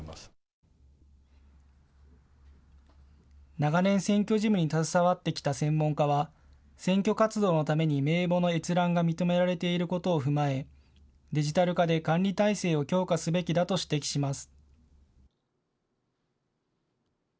長年、選挙事務に携わってきた専門家は選挙活動のために名簿の閲覧が認められていることを踏まえデジタル化で管理体制を強化すべきだと指摘します。